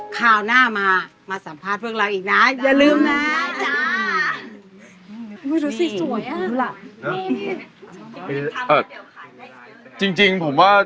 ก็ตามไปทองดูดีน่ะเชิญช่างเลย